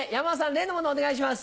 例のものお願いします。